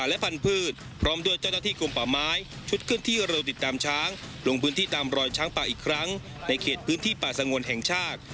ลงพื้นที่ตามรอยช้างป่าอีกครั้งในเขตพื้นที่ป่าสงวนแห่งชาติ